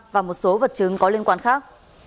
và một số vật chứng có liên quan khác